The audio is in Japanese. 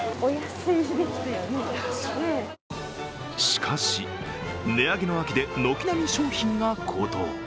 しかし、値上げの秋で軒並み商品が高騰。